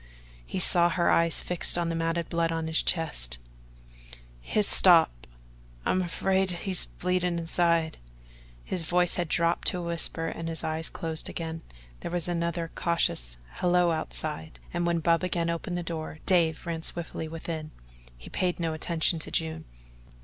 He saw her eyes fixed on the matted blood on his chest. "Hit's stopped. I'm afeared hit's bleedin' inside." His voice had dropped to a whisper and his eyes closed again. There was another cautious "Hello" outside, and when Bub again opened the door Dave ran swiftly within. He paid no attention to June.